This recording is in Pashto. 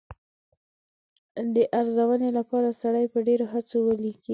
د ارزونې لپاره سړی په ډېرو هڅو ولیکي.